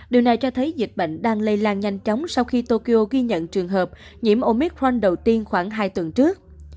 điều này cho thấy dịch bệnh đang lây lan nhanh chóng sau khi tokyo ghi nhận trường hợp nhiễm omicron đầu tiên khoảng hai tuần trước